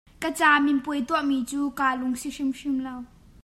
Ka camipuai tuahmi cu kaa lungsi hrimhrim lo.